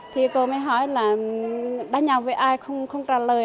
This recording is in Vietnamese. thì cô mới hỏi là ban nhau với ai không trả lời